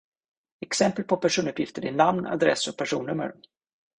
Exempel på personuppgifter är namn, adress och personnummer.